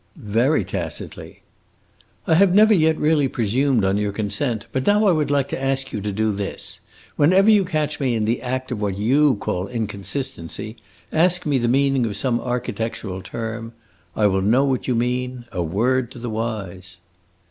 "Very tacitly." "I have never yet really presumed on your consent. But now I would like you to do this: whenever you catch me in the act of what you call inconsistency, ask me the meaning of some architectural term. I will know what you mean; a word to the wise!"